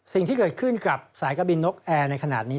สิ่งที่เกิดขึ้นกับสายการบินนกแอร์ในขณะนี้